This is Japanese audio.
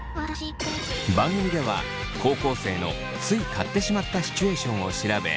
番組では高校生のつい買ってしまったシチュエーションを調べ